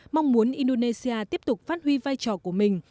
mong muốn indonesia tiếp tục phát huy vai trò của mình